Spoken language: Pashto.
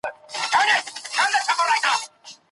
د غوریانو کارنامي د تاریخ برخه دي